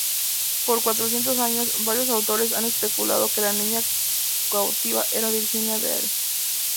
Por cuatrocientos años, varios autores han especulado que la niña cautiva era Virginia Dare.